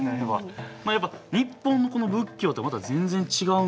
やっぱ日本のこの仏教とはまた全然違うんですね。